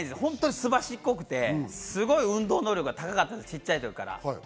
すばしっこくて、すごい運動能力が高かったんです。